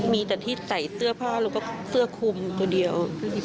มีแต่ที่ใส่เสื้อผ้าแล้วก็เสื้อคุมตัวเดียว